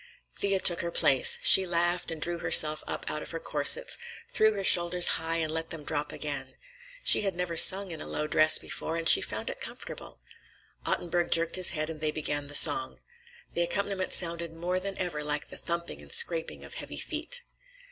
Thea took her place. She laughed and drew herself up out of her corsets, threw her shoulders high and let them drop again. She had never sung in a low dress before, and she found it comfortable. Ottenburg jerked his head and they began the song. The accompaniment sounded more than ever like the thumping and scraping of heavy feet.